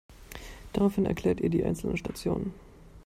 Daraufhin erklärt ihr die einzelnen Stationen.